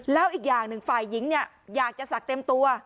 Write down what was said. แล้วอีกอย่างหนึ่งฝ่ายหญิงเนี่ยอยากจะศักดิ์เต็มตัว